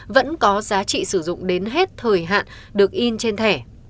vẫn có giá trị sử dụng đến hết thời hạn được in trên thẻ